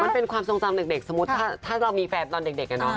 มันเป็นความทรงจำเด็กสมมุติถ้าเรามีแฟนตอนเด็กอะเนาะ